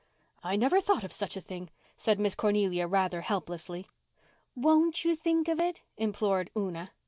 "I never thought of such a thing," said Miss Cornelia rather helplessly. "Won't you think of it?" implored Una.